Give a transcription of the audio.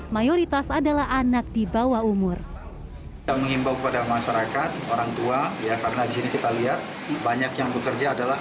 mayoritas adalah anak di bawah umur